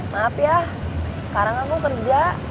maaf ya sekarang aku kerja